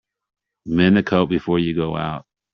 Mend the coat before you go out.